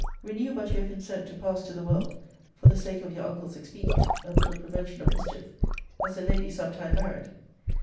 Renew but your consent to pass to the world, for the sake of your uncle's expedient, and for the prevention of mischief, as a lady some time married.